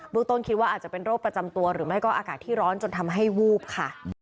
ต้นคิดว่าอาจจะเป็นโรคประจำตัวหรือไม่ก็อากาศที่ร้อนจนทำให้วูบค่ะ